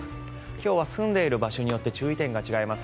今日は住んでいる場所によって注意点が違います。